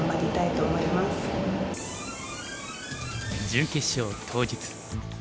準決勝当日。